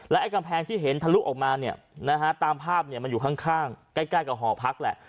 ไอ้กำแพงที่เห็นทะลุออกมาเนี่ยนะฮะตามภาพมันอยู่ข้างใกล้กับหอพักแหละ